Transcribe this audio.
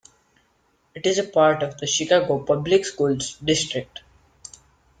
It is a part of the Chicago Public Schools district.